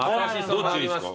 どっちがいいですか？